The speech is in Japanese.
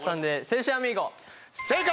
正解！